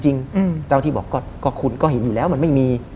เจ้าหน้าที่บอกก็คุณก็เห็นอยู่แล้วมันไม่มี